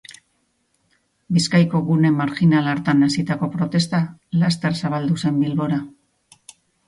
Bizkaiko gune marjinal hartan hasitako protesta laster zabaldu zen Bilbora.